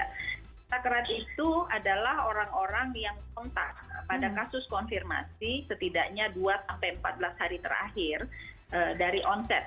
kontak erat itu adalah orang orang yang kontak pada kasus konfirmasi setidaknya dua sampai empat belas hari terakhir dari onset